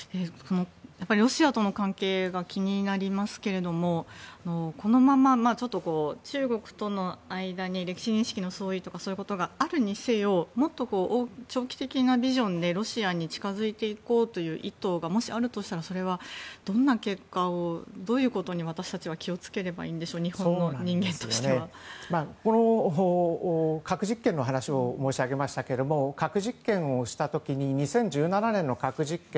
ロシアとの関係が気になりますけれどもこのままちょっと中国との間に歴史認識の相違とかそういうことがあるにせよもっと長期的なビジョンでロシアに近付いていこうという意図がもしあるとしたらそれはどんな結果をどういうことに私たちは気をつければいいんでしょう日本の人間としては。核実験の話を申し上げましたけれど核実験をした時に２０１７年の核実験